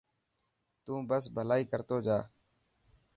تون بس ڀلائ ڪر تو جا.